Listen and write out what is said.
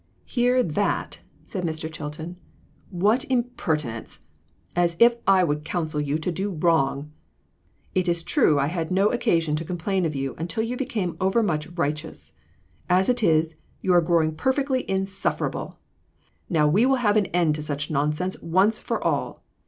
"Hear that!" said Mr. Chilton. "What imper tinence ! As if I would counsel you to do wrong. It is true I had no occasion to complain of you until you became overmuch righteous. As it is, you are growing perfectly insufferable ; now we will have an end of such nonsense once for all.